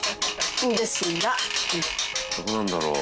「どうなんだろう？」